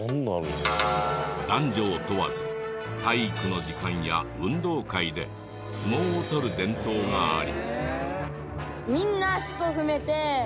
男女を問わず体育の時間や運動会で相撲を取る伝統があり。